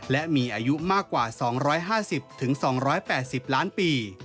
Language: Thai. และมีอายุมากกว่า๒๕๐๒๘๐ล้านปี